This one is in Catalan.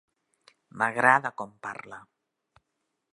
M'agrada com parla.